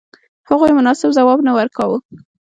هغوی مناسب ځواب نه ورکاوه.